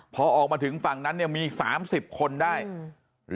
พอออกมาถึงฝั่งนั้นเนี่ยมีสามสิบคนได้อืม